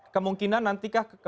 kemungkinan nanti kah